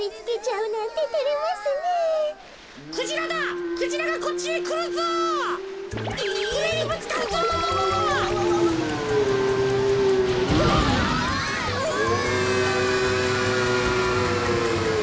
うわ！